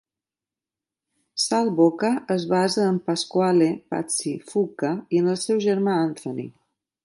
Sal Boca es basa en Pasquale "Patsy" Fuca i en el seu germà Anthony.